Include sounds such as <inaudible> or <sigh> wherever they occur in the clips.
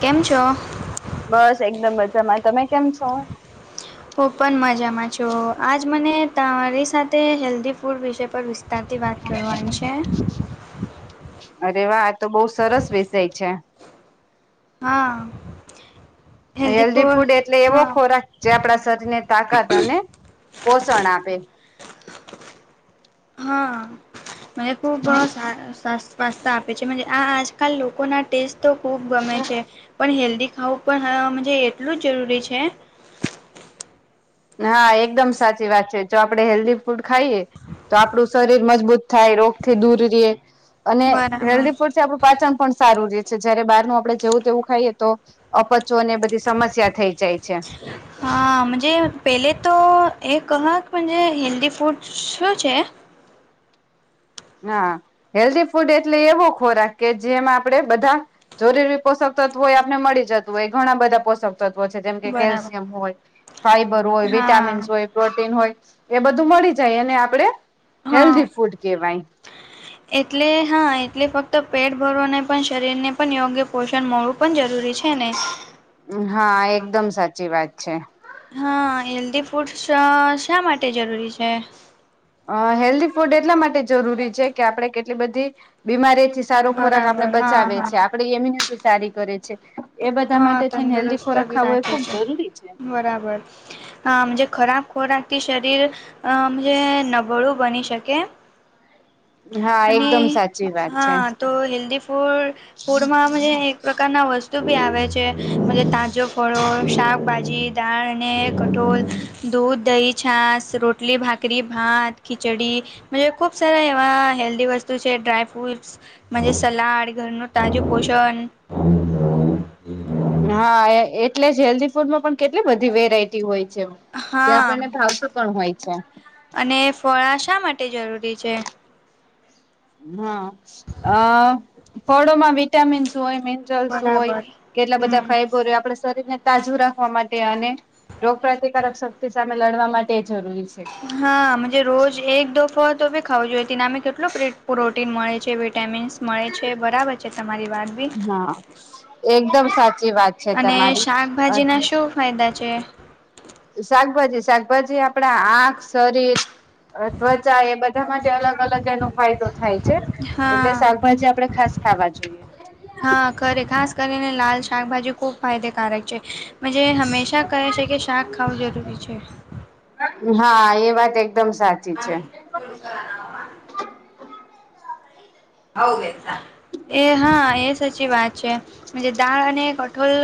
કેમ છો? બસ એકદમ મજામાં, તમે કેમ છો? હું પણ મજામાં છું આજ મને તમારી સાથે હેલ્ધી ફૂડ વિશે પર વિસ તાથી વાત કરવાની છે. અરે વાહ તો બહુ સરસ વેસય છે. હા હેલ્ધી ફૂડ એટલે એવો ખોરાક જે આપણા શરીર ને તાકાત અને. પોષણ આપે. હા મેં ખૂબ સા સા. પાસ્તા આપે છે, આ આજકાલ લોકો ના ટેસ્ટ તો ખૂબ ગમે છે. પણ હેલ્ધી ખાવું પણ એટલું જ જરૂરી છે. નહા એકદમ સાચી વાત છે. જો આપડે હેલ્ધી ફૂડ ખાઈએ. તો આપડું શરીર મજબૂત થાય રોગ થી દૂર રએ અને બરાબર. હેલ્ધી ફૂડ છે આપડું. પાચન પણ સારું રહે છે, જયારે બારનું આપડે જેવું તેવું ખાઈએ તો. અપચો ને એ બધી સમસ્યા થઈ જાય છે. <unintelligible> હા મજે પહેલે તો એ કહક હેલ્ધી ફૂડ શું છે? હા હેલ્ધી ફૂડ એટલે એવો ખોરાક કે જેમાં આપડે બધા. જરુરી પોષક તત્વ હોય આપને મળી જતું હોય ઘણા બધા પોષક. તત્વ છે જેમ કે બરાબર કેલ્શિયમ હોય, ફાઈબર હોય, હા વિટામિન્સ હોય, પ્રોટીન હોય એ બધું મળી જાય એને આપડે હા. હેલ્ધી ફૂડ કેહેવાય. <inaudible> એટલે હા એટલે ફક્ત પેટ ભરવાને પણ શરીરને પણ યોગ્ય પોષણ મળવુ. પન જરૂરી છે ને. હા એકદમ સાચી વાત છે. હા હેલ્ધી ફૂડસ શા માટે જરૂરી છે? અ હેલ્ધી ફૂડ એટલા માટે જરૂરી છે કે આપડે કેટલી બધી બીમારીથી. સારો ખોરાક આપને બરાબર હા બચાવે હા છે આપડી એમ્યુનિતી સારી કરે છે. એ બધા હા માટે થઈને હેલ્ધી તંદુરસ્ત ખોરાક બી ખાવો એ રાખે ખુબ છે. જરૂરી છે બરાબર. આમ જે ખરાબ ખોરાખતી શરીર. અમ જે નબળું બની શકે. હા એકદમ અને સાચી વાત છે. હા તો હેલ્દી ફૂડ ફૂડમાં અમે એક પ્રકારના વસ્ત તુંબી આવે છે મત તાજો ફળો શાકભાજી દાળ અને કઠોળ. દૂધ, દહી, છાંસ, રોટલી, ભાકરી, ભાત, ખિચડી. મયે ખુબ સારા એવા હેલ્ધી વસ્તુ છે ડ્રાય ફ્રુટસ. મજે સલાડ ઘરનું તાજું પોષન. હા એ એટલે જ હેલ્ધી ફૂડમાં પણ કેટલી બધી વેરાયટી હોય છે. જે હા આપણને ભાવતી પણ હોય છે. અને ફળા શા માટે જરૂરી છે? હા અ ફળોમાં વિટામીન્સ હોય મિન રલ્સ હોય બરાબર કેટલા બધા હમ ફાઈબર હોય આપડે શરીર ને તાજુ રાખવા માટે અને રોગ પ્રતિકારક શક્તિ સામે લડવા માટે જરૂરી છે. હા મજે રોજ એક દો ફળ તો બિ ખાવું જોઈએ તેનામી કેટલો પ્રિટ પ્રોટીન મળે છે, વિટામીન્સ મળે છે બરાબર છે તમારી વાત બી. હા એકદમ સાચી વાત છે અને તમારી શાકભાજી ના શું ફાયદા છે? શાકભાજી, શાકભાજી આપડા આંક, શરીર અત્વચા એ બધા માટે અલગ અલગ એનો ફાયદો થાય ચે હા એટલે શાકભાજી આપડે ખાસ ખાવા જોઈએ. હા ખરે ખાસ કરીને લાલ શાકભાજી ખુબ ફાયદેકારક છે. મજે હંમેશા કહે છે કે શાક ખાવું જરૂરી છે. હા એ વાત એકદમ સાચી છે. <inaudible> એ હા એ સચી વાત છે. મજે દાળ અને કઠોલ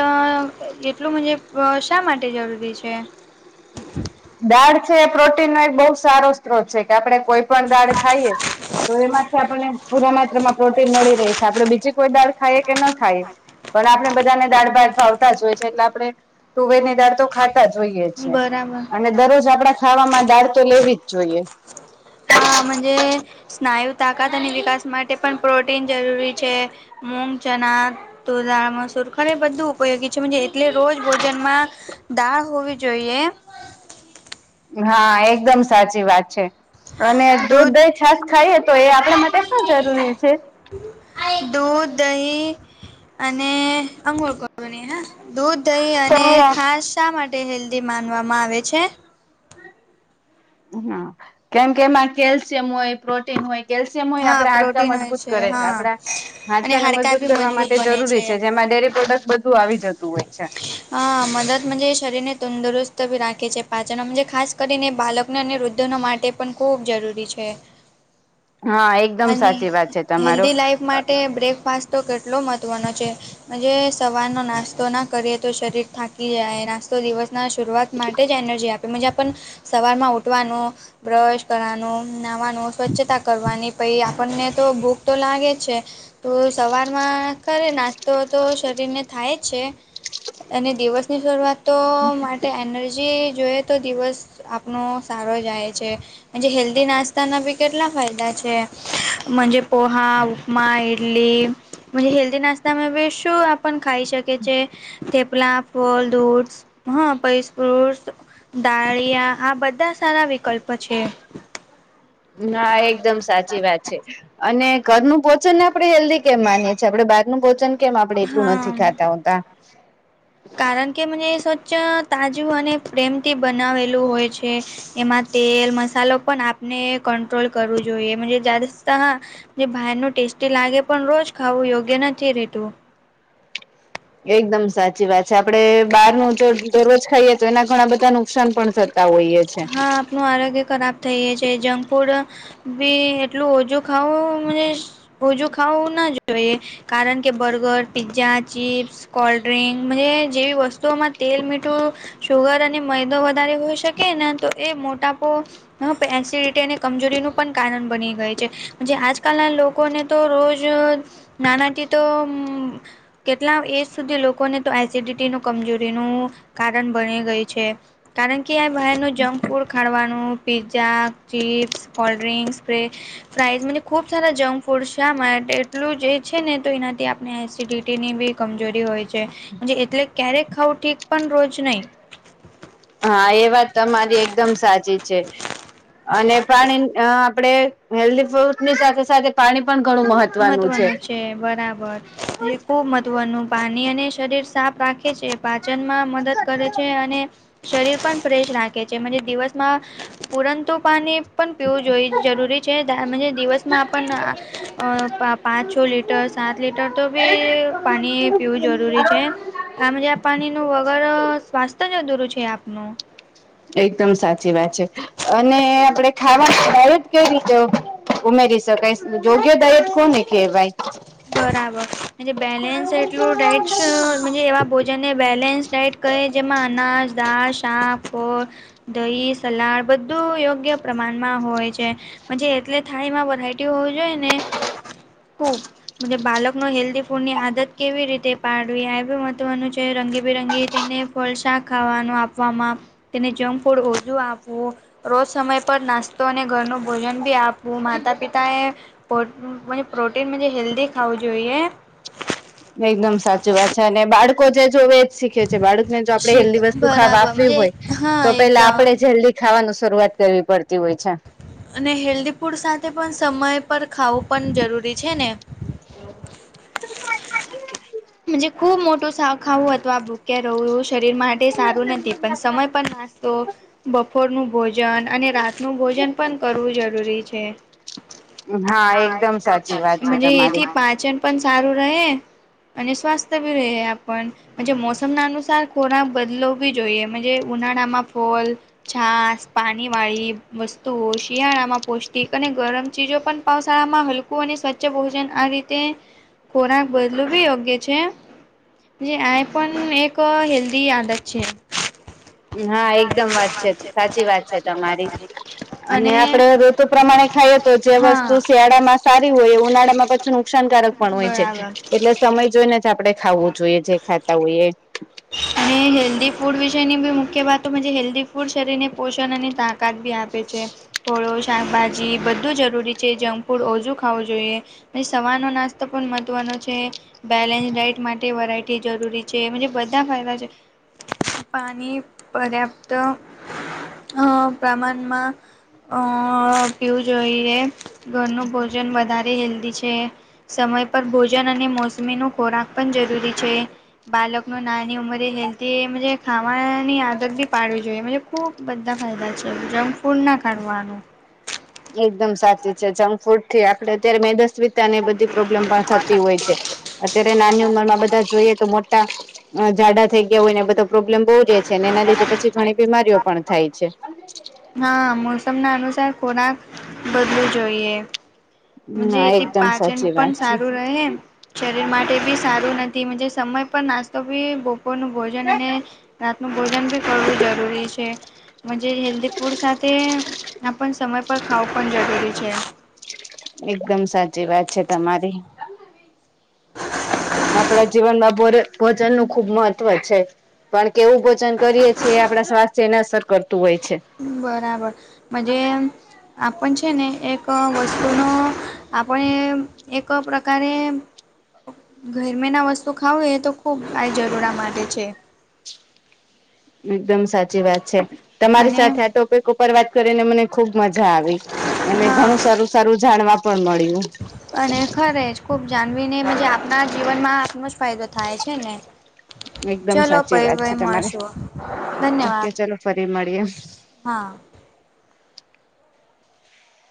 એટલું મજે પ શા માટે જરૂરી છે? દાળ છે એ પ્રોટીન નો એક બહુ સારો સ્ત્રોત છે કે આપડે કોઈ પણ દાળ ખાઈએ તો એમાંથી આપને પૂરા માત્રામાં પ્રોટીન મળી રહે સે. આપડે બીજી કોઈ દાળ ખાઈએ કે ન ખાઈએ પણ આપણે બધાને દાળ ભાત ભાવતા જ હોય છે એટલે આપડે તુંવેર ની દાળ તો ખાતા જ હોઈએ છીએ. રામાં. અને દરરોજ આપડા ખાવામાં દાળ તો લેવી જ જોઈએ. હા મજે સ્નાયુ તાકાત અને વિકાસ માટે પણ પ્રોટીન જરૂરી છે. મુંગ ચના તૂર દાળ મસૂર ખરે બધું ઉપયોગી છે મજે એટલે રોજ ભોજનમાં દાળ હોવી જોઈએ. હા એકદમ સાચી વાત છે. અને દૂધ, દઇ, છાસ ખાઈએ તો એ આપડા માટે શું જરૂરી છે? દૂધ, દયી અને અંગુળ કટોરી હા. દૂધ, દયી તો અને હા ખાસ શા માટે હેલ્ધી માનવામાં આવે છે? હા, કેમ કે એમાં કેલ્શિયમ હોય, પ્રોટીન હોય કેલ્શિયમ હોય એ હા આપડા હાડકા પ્રોટીન હોય મજબૂત કરે છે. હા આપડા અને હાડકાને હાડકા મજબૂત બી કરવા માટે એ બને જરૂરી છે, જેમાં ડેરી પ્રોડક્ટ બધું આવી જતું હોય છે. અ મદદ શરીરને તંદુરસ્તી રાખે છે. પાચન ખાસ કરીને બાલક ને અને વૃદ્ધનો માટે પણ ખૂબ જરૂરી છે. હા એકદમ અને સાચી વાત છે તમારો હેલ્ધી લાઈફ માટે બ્રેકફાસ્ટ તો કેટલો મહત્ત્વનો છે. જે સવારનો નાસ્તો ના કરીએ તો શરીર થાકી જાય. નાસ્તો દિવસ ના શરૂઆત માટે જ એનર્જી આપે મજા પણ સવારમાં ઉઠવાનું, બ્રશ કરવાનો નાવાનું, સ્વચ્છતા કરવાની પછ આપણને તો ભૂખ તો લાગે છે. તો સવારમાં ખરે નાસ્તો તો શરીરને થાય જ છે. અને દિવસની શરૂઆતો માટે એનર્જી જોઈ તો દિવસ આપણ સારો જાય છે. હેલ્ધી નાસ્તાના બી કેટલા ફાયદા છે. મજે પોહા મા ઈડલી હેલ્ધી નાસ્તામાં શું આપ ખાઈ શકે છે? પલા ફલ દૂધસ હા પિસ્ફુટ દાળિયા આ બધા સારા વિકલ્પ છે. ના એકદમ સાચી વાત છે, અને ઘરનું પોચન આપડે હેલ્ડી કેમ માનીએ છે, આપડે બારનું ભોજન કેમ આપણે એટલું નથી હા. ખાતા હોતા કારણ કે મને સ્વચ્છ તાજું અને પ્રેમથી બનાવેલું હોય છે. એમાં તેલ મસાલો પણ આપને કંટ્રોલ કરવું જોઈએ <unintelligible> હા જે બાહેરનુ ટેસ્ટી લાગે પણ રોજ ખાવું યોગ્ય નથી રેતુ એકદમ સાચી વાત છે, આપડે બહારનું જો દરરોજ ખાઈએ તો એના ઘણા બધા નુકસાન પણ થત તા હોયે છે. નુ આરોગ્ય ખરાબ થઈ જાય છે, જંક ફૂડ બી એટલું ઓછું ખાવું મને ઓજું ખાવું ન જોઈએ કારણ કે બર્ગર, પિઝ્જા, ચિપ્સ, કોલ્ડ્રિંક જેવી વસ તુઓમાં તેલ, મીઠું, સુુગર અને મૈદો વધારે હોય શકે ને તો એ મોટાપો હ એસિડિટી અને કમજોરીનું પણ કારણ બની ગઈ છે, જે આજકાલના લો લોકોને તો રોજ નાનાથી તો કેટલા એજ સુધી લોકોને તો એસિડિટીનું કમજોરીનું કારણ બની ગઈ છે, કારણ કે આ ભાઈનું જંક ફૂડ ખાડવાનું પીઝા, ચીપ્સ કોલ્ડ્રિંક્સ, ફેરે ફાઈઝ મને ખુબ સારા જંક ફૂડ છે, આ એટલું જે છે, ને તો એનાથી આપણે એસિડિટીની બી કમજોરી હોય છે, એટલે ક્યારેક ખાવું ઠીક પણ રોજ નહી હા એ વાત તમારી એકદમ સાચી છે, અને પાણી અ આપડે હેલડી ફૂડની સાથે સાથે પાણી પણ ઘણું મહ મહત્વનું છે. છે, બરાબર જે ખુબ મહત્વનું પાણી અને શરીર સાફ રાખે છે. પાચનમાં મદદ કરે છે, અને શરીર પણ ફ્રેશ રાખે છે, મજે દિવસમાં પુરંતુ પાની પન પીવું જોઈ જરૂરી છે, દાયમજે દિવસમાં આપને આ અ પાં પાંચ છ લીટર સાત લીટર તો બી પાણી પીવું જરૂરી છે. આમજ આ પાણીનું વગર સ્વાસ્થ્ય જ અધુરું છે, આપનું એકદમ સાચી વાત છે, અને આપણેે ખાવાની <unintelligible> જ કયરી ત ઉમેરી શકાય યોગ્ય દાયટ કોને કેવાય બરાબર બેલેન્સ એટલું ડઇટ એવા બ જેને બેલેન્સ ડાઈટ કહે જેમાં અનાજ દા સા પ દહી, સલાડ બધું યોગ્ય પ્રમાણમાં હોય છે. પછી એટલે થાળીમાં વરાયટી હોવી જોઈએ ને કુ બાળકનો હેલ્ધી ફૂડની આદત કેવી રીતે પાડવી આ એ બી મહત્ત્વનું છે, રંગીબેરંગી તેને ફળ શાક ખાવાનું આપવામાં તેને જંક ફૂડ ઓછુ આપવું રોજ સમય પર નાસ્તો અને ઘરનું ભોજન ભી આપવું માતા પિતાએ પો <unintelligible> પ્રોટીનમજે હેલ્ધી ખાવું જોઈએ. એકદમ સાચી વાત છે, અને બાળકો જે જોવે શીખે છે, બાળકને જો આપણે શીખ હેલ્ધી વસ્તુ ખાવા બરાબર આપવી મજે હોય હા તો પેલા એકદમ આપણેે જ હેલ્ધી ખાવાનું શરૂઆત કરવી પડતી હોય છે.. અને હેલ્ધી ફૂડ સાથે પન સમય પર ખાવું પન જરૂરી છે, ને? <inaudible> મુજે ખુબ મોટું સાવ ખાવું હતું આ ભૂખ્યા રહવું એવુ શરીરમાં તે સારું નથી પણ સમય પર નાસ્તો બપોરનું ભોજન અને રાતનું ભોજન પન કરવું જરૂરી છે. હા એકદમ સાચી વાત <unintelligible> છે મજે તમારી. એથી પાચન પન સારું રહે અને સ્વાસ્થ્ય બી રહે આપન. મુજે મોસમના અનુસાર ખોરાક બદલો બી જોઈએ મુજે ઉનાળામાં ફોલ. છાસ, પાનીવાળી વસ્તુઓ શિયાળામાં પૌષ્ટિક અને ગરમ ચીજો પન પાવ શાળામાં હલકું અને સ્વચ્છ ભોજન આ રીતે ખોરાક બદલુ બી યો એ છે, જે આ પન એક હેલ્દી આદત છે. હા એકદમ વાત છે, સાચી વાત છે, તમારી અને આપડે રૂ તુ પ્રમાણે ખાઈએ તો જે હા વસ્તુ શિયાળામાં સારી હોય એ ઉનાળામાં પછી નુકસાનકારક પણ હોય છે. બરાબર એટલે સમય જોઈને જ આપણે ખાવું જોઈએ જે ખાતા હોઈ એ. અને હેલ્દી ફૂડ વિષયની બી મુખ્ય વાત મુજે હેલ્દી ફૂડ શરીરને પોષણ અને તાક કાત બી આપે છે. ફોળો, શાકભાજી બધું જરૂરી છે જંક ફૂડ ઓછું ખાવું જોઈએ. અને સવારનો નાસ્તો પણ મહત્વનો છે. બેલેન્સ ડાઇટ માટે વરાયટી જરૂરી છે મુજે બધા ફાયદા છે. પાની પર્યાપ્ત અ પ્રમાનમાં. અ પીવું જોઈએ. ઘરનું ભોજન વધારે હેલ્દી છે. સમય પર ભોજન અને મોસમીનો ખોરાક પન જરૂરી છે. બાલક માં નાની ઉંમરે હેલ્થી મુજે ખાવાની આદત બી પાડવી જોઈએ મુજે ખૂબ. બધા ફાયદા છે. જંક ફૂડ ના કરવાનું. એકદમ સાચી છે. જંકફૂડ થી આપડે અત્યારે મેદસ્વિતા ને બધ એ પ્રોબ્લેમ પણ થતી હોય છે. અત્યારે નાની ઉંમરમાં બધા જોઈએ તો મો ટા અ જાડા થઈ ગયા હોય ને એ બધો પ્રોબ્લેમ બહુ રે છે અને એના લીધે પછી ઘણી બીમારીઓ. પણ થાય છે. <inaudible> હા મોસમના અનુસાર ખોરાક બદલું જોઈએ. મુજે ના એથી એકદમ પાચન સાચી પન વાત છે. સારું રહે. શરીર માટે બી સારું નથી. મુજે સમય પર નાસ્તો બી બોપરનું ભોજન અને. રાતનું ભોજન બી કરવું જરૂરી છે. મુજે હેલ્દી. ફૂડ સાથે આપણન સમય પર ખાવું પન જરૂરી છે. એકદમ સાચી વાત છે તમારી. ને આપણા જીવનમાં ભોર ભોજનનું ખૂબ મહત્વ છે. કારણ કે એવું ભોજન કરીએ છીએ આપણા સ્વાસ્થ્યને અસર કરતું હોય છે. બરાબર મજે. આપન છે ને એક વસ્તુનો આપણે. એક પ્રકારે. ગરમીના વસ્તુ ખાવું એ તો ખુબ આઈ જરૂરા માટે છે. એકદમ સાચી વાત છે. તમારી અને સાથે આ ટો પિક ઉપર વાત કરીને મને ખુબ મજા આવી. અને હા ઘણું સારું સારું જાણવા પણ મળ્યું. અને ખરે જ ખુબ જાનવીને મુજે આપના જીવનમાં આપનો જ ફાયદો થાય છે ને. <inaudible> એકદમ ચલો સાચી પહિ વાત વહી છે તમારે મળશું ઓકે ધન્યવાદ. ચલો ફરી મળીએ. હા <inaudible>